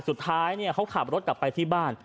สุดท้ายเขาขับรถกลับไปที่บ้าน